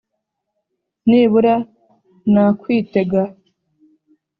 nibura nakwitega